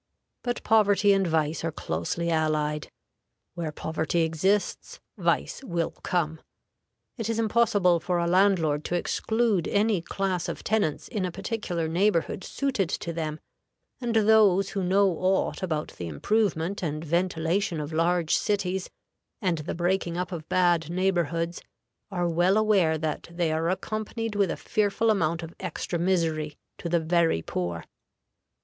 But poverty and vice are closely allied; where poverty exists, vice will come. It is impossible for a landlord to exclude any class of tenants in a particular neighborhood suited to them, and those who know aught about the improvement and ventilation of large cities, and the breaking up of bad neighborhoods, are well aware that they are accompanied with a fearful amount of extra misery to the very poor.